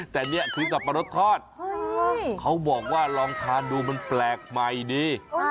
แต่นี่คือสับปะรดทอดเขาบอกว่าลองทานดูมันแปลกใหม่ดี